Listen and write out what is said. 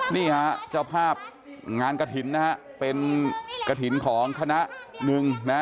นี่ฮะเจ้าภาพงานกระถิ่นนะฮะเป็นกระถิ่นของคณะหนึ่งนะฮะ